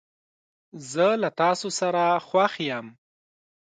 زه له تاسو سره خوښ یم.